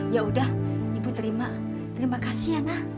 ya udah ibu terima terima kasih nah